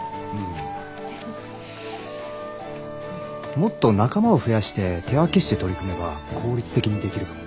もっと仲間を増やして手分けして取り組めば効率的にできるかも。